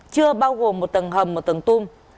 chưa bao gồm một tầng hầm một tầng tung